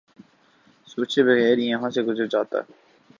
سوچے بغیر ہی یہاں سے گزر جاتا